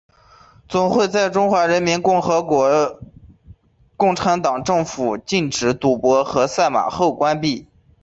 总会在中华人民共和国共产党政府禁止赌博和赛马后关闭。